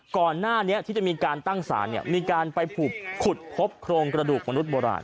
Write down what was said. ก่อนหน้านี้ที่จะมีการตั้งสารมีการไปขุดพบโครงกระดูกมนุษย์โบราณ